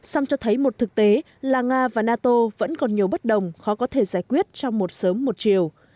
xong cho thấy một thực tế là nga và nato vẫn còn nhiều bất đồng khó có thể giải quyết trong một sớm một chiều